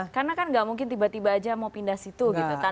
karena kan tidak mungkin tiba tiba aja mau pindah situ gitu